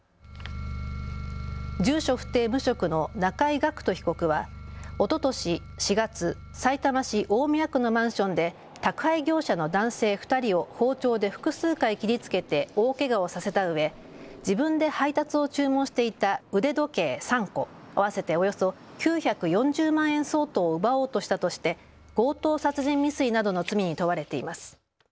住所不定・無職の中井楽人被告はおととし４月、さいたま市大宮区のマンションで宅配業者の男性２人を包丁で複数回切りつけて大けがをさせたうえ自分で配達を注文していた腕時計３個合わせておよそ９４０万円相当を奪おうとしたとして強盗殺人未遂などの罪に問われています。